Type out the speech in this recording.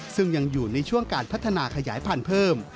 ซึ่งยังอยู่ในช่วงการพัฒนาขยายพันธุ์เพิ่ม